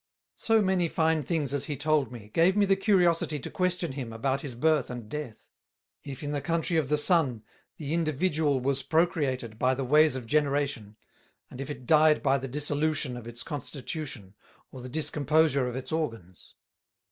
So many fine things as he told me, gave me the curiosity to question him about his Birth and Death; if in the Country of the Sun, the individual was procreated by the ways of Generation, and if it died by the dissolution of its Constitution, or the discomposure of its Organs?